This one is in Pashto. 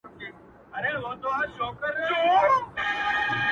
o زمانه که دي په رایه نه ځي خیر دی,